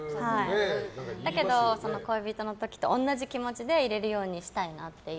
だけど、恋人の時と同じ気持ちでいられるようにしたいなって。